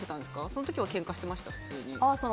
その時は、けんかしてました？